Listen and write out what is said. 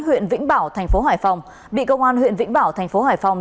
huyện vĩnh bảo thành phố hải phòng bị công an huyện vĩnh bảo thành phố hải phòng